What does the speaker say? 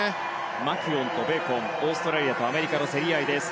マキュオンとベーコンオーストラリアとアメリカの競り合いです。